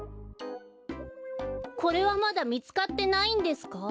これはまだみつかってないんですか？